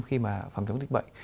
khi mà phòng chống dịch bệnh